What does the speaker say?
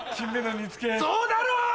そうだろ！